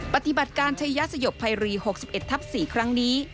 ปฏิบัติการชายสยบภัยรี๖๑ทับ๔ครั้งนี้